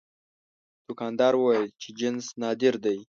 دوکاندار وویل چې جنس نادر دی.